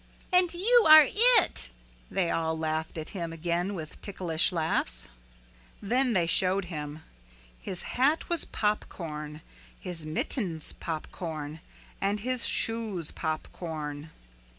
"And you are it," they all laughed at him again with ticklish laughter. Then they showed him. His hat was popcorn, his mittens popcorn and his shoes popcorn.